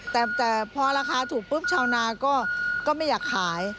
แต่พอราคาถูกปุ๊บชาวนาก็ไม่อยากขาย